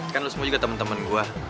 kan lo semua juga temen temen gue